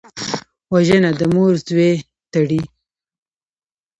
وژنه د مور زوی تړي